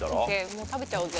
もう食べちゃおうぜ。